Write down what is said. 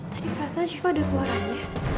tadi perasaan siva ada suaranya